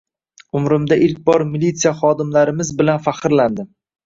Umrimda ilk bor militsiya xodimlarimiz bilan faxrlandim